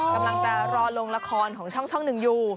กำลังจะรอลงละครของช่องหนึ่งอยู่